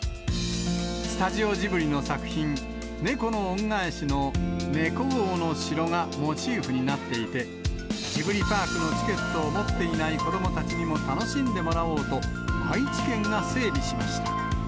スタジオジブリの作品、猫の恩返しの猫王の城がモチーフになっていて、ジブリパークのチケットを持っていない子どもたちにも楽しんでもらおうと、愛知県が整備しました。